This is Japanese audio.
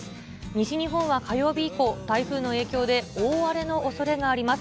西日本は火曜日以降、台風の影響で大荒れのおそれがあります。